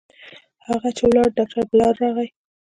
هغه چې ولاړ ډاکتر بلال راغى.